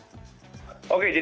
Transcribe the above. oke jadi ini sebetulnya